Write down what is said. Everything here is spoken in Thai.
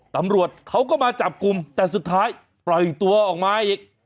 ตำรวจเขาก็มาจับกลุ่มแต่สุดท้ายปล่อยตัวออกมาอีก